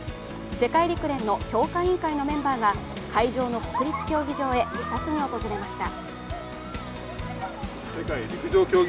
世界陸連の評価委員会のメンバーが会場の国立競技場へ視察に訪れました。